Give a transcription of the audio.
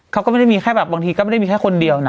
บางทีเขาก็ไม่ได้มีแค่คนเดียวนะ